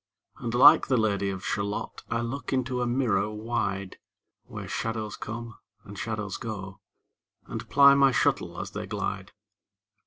And like the Lady of Shalott I look into a mirror wide, Where shadows come, and shadows go, And ply my shuttle as they glide.